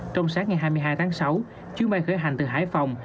trong sáng ngày hai mươi hai tháng sáu chuyến bay khởi hành từ hải phòng